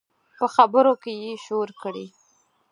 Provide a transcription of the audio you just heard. په خبرو کې یې شور کړي